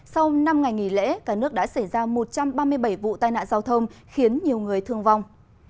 sau năm ngày nghỉ lễ cả nước đã xảy ra một trăm ba mươi bảy vụ tai nạn giao thông khiến nhiều người thương vong